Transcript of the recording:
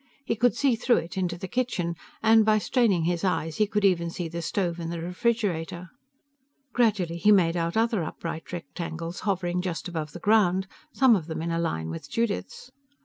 He could see through it into the kitchen, and by straining his eyes, he could even see the stove and the refrigerator. Gradually he made out other upright rectangles hovering just above the ground, some of them on a line with Judith's.